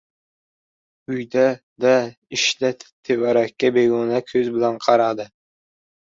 Uyda-da, ishdada tevarakka begona ko‘z bilan qaradi.